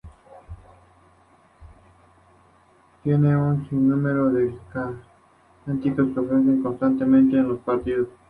Tienen un sinnúmero de cánticos que ofrecen constantemente en los partidos.